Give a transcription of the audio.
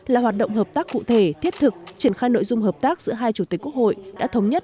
là hoạt động hợp tác cụ thể thiết thực triển khai nội dung hợp tác giữa hai chủ tịch quốc hội đã thống nhất